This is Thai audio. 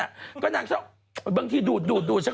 เนี้ยแล้วเอาไปดูดปาก